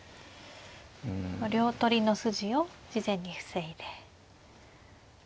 両取りの筋を事前に防いで。